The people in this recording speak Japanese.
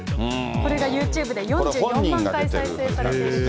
これがユーチューブで４４万回再生されていると。